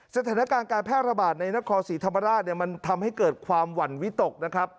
สถานการณ์การแพร่ระบาดในนครศรีธรรมราชเนี่ยมันทำให้เกิดความหวั่นวิตกนะครับ